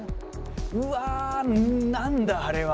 うわ何だあれは。